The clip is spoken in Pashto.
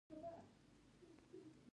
دغه پانګه چې بېکاره پرته ده ګټه نلري